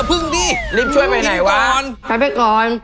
อย่าพึ่งพี่พี่ทีมก่อนไปไปก่อนเรียบช่วยไปไหนวะ